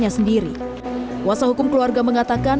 yang diterbitkan oleh polres jakarta selatan